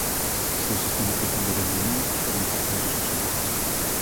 Se os están utilizando ben ou non forma parte das nosas obrigas.